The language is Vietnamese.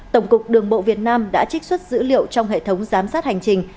tổng cục đường bộ việt nam đã trích xuất dữ liệu trong hệ thống giám sát hành trình